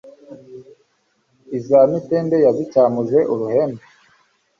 Iza Mitende yazicyamuje uruhembe,